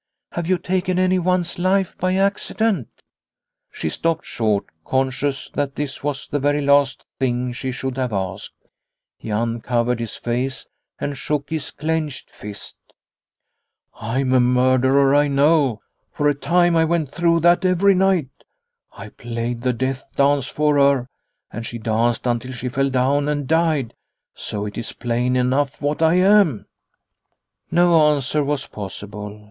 Have you taken anyone's life by accident ?" 260 Liliecrona's Home She stopped short, conscious that this was the very last thing she should have asked. He uncovered his face and shook his clenched fist. " I am a murderer, I know. For a time I went through that every night ; I played the death dance for her, and she danced until she fell down and died. So it is plain enough what I am." No answer was possible.